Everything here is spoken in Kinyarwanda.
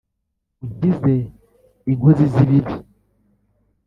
Unkize inkozi z ibibi